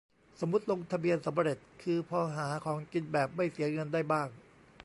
สมมติลงทะเบียนสำเร็จ คือพอหาของกินแบบไม่เสียเงินได้บ้าง